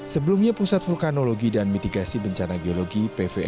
sebelumnya pusat vulkanologi dan mitigasi bencana geologi pvm